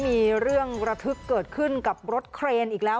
มีเรื่องระทึกเกิดขึ้นกับรถเครนอีกแล้ว